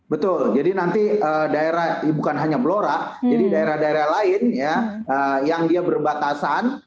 betul jadi nanti daerah bukan hanya blora jadi daerah daerah lain ya yang dia berbatasan